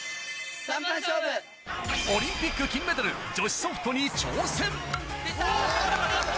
オリンピック金メダル女子ソフトに挑戦わぁ！